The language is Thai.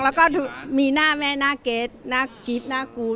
แล้วก็มีหน้าแม่หน้าเกรทหน้ากรี๊ดหน้ากู๊ด